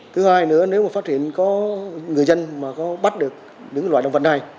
thứ hai nữa nếu phát hiện có người dân bắt được những loại đồng vật này